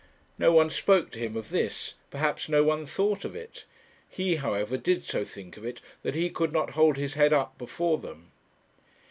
No one spoke to him of this; perhaps no one thought of it; he, however, did so think of it that he could not hold his head up before them.